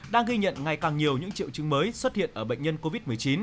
đang ghi nhận ngày càng nhiều những triệu chứng mới xuất hiện ở bệnh nhân covid một mươi chín